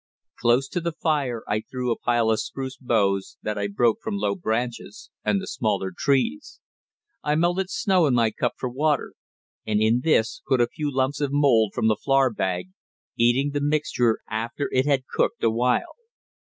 Close to the fire I threw a pile of spruce boughs that I broke from low branches and the smaller trees. I melted snow in my cup for water, and in this put a few lumps of mould from the flour bag, eating the mixture after it had cooked a while.